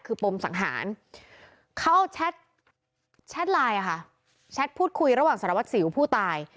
คือปมสังหารเขาเอาแชทไลน์ค่ะแชทพูดคุยระหว่างสารวัตรสิวผู้ตาย